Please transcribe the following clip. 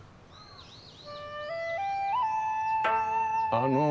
あの。